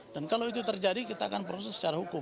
dan kalau itu terjadi kita akan proses secara hukum